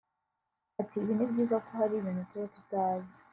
Ati“ Ibi ni byiza kuko hari ibintu tuba tutazi